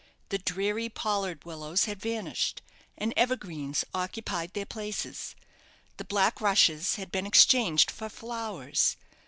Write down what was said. The dreary pollard willows had vanished, and evergreens occupied their places. The black rushes had been exchanged for flowers.